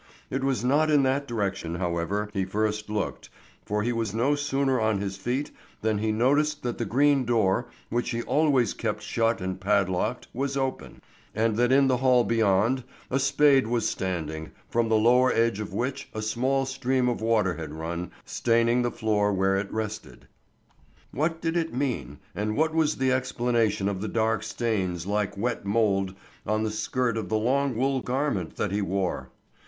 It was not in that direction, however, he first looked, for he was no sooner on his feet than he noticed that the green door which he always kept shut and padlocked was open, and that in the hall beyond a spade was standing, from the lower edge of which a small stream of water had run, staining the floor where it rested. What did it mean, and what was the explanation of the dark stains like wet mould on the skirt of the long wool garment that he wore?